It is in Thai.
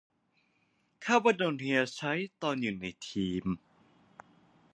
คาดว่าโดนเฮียใช้ ตอนอยู่ในทีม